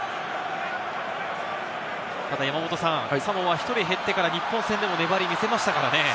ただ、サモアは１人減ってから日本戦でも粘りを見せましたからね。